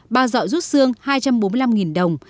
bà giọ rút xương hai trăm bốn mươi năm đồng